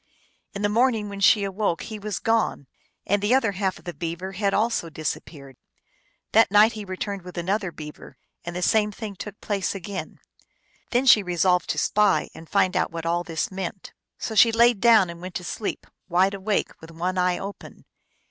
In the morning when she awoke he was gone, and the other half of the beaver had also disappeared. That night he returned with another beaver, and the same thing took place again. Then she resolved to spy and find out what all this meant. So she laid down and went to sleep, wide awake, with one eye open.